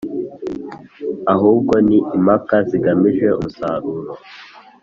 Ahubwo ni impaka zigamije umusaruro